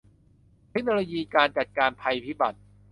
เทคโนโลยีการจัดการภัยพิบัติ